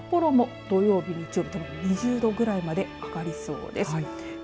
さらに札幌も土曜日、日曜日ともに２０度ぐらいまで上がるそうです。